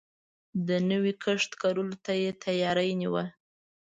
د نوی کښت کرلو ته يې تياری نيوه.